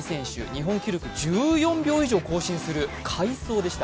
日本記録を１４秒以上更新する快走でした。